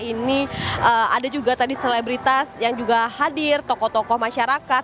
ini ada juga tadi selebritas yang juga hadir tokoh tokoh masyarakat